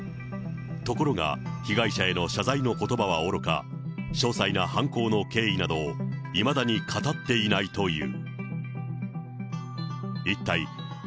ところが、被害者への謝罪のことばはおろか、詳細な犯行の経緯などをいまだに語っていないという。